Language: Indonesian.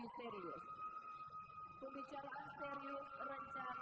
pembicaraan serius rencana pada awal bulan sabu